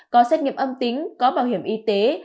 có xét nghiệm âm tính có bảo hiểm y tế